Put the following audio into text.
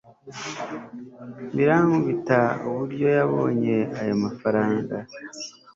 Birankubita uburyo yabonye ayo mafaranga